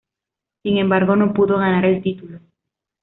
Sin embargo, no pudo ganar el título.